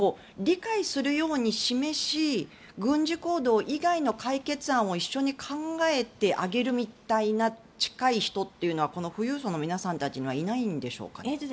理解するように示し軍事行動以外の解決案を一緒に考えてあげるみたいな近い人というのは富裕層の皆さんたちにはいないんでしょうか。